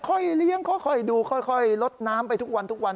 ค่อยเลี้ยงค่อยดูค่อยลดน้ำไปทุกวัน